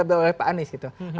bisa jadi gitu ya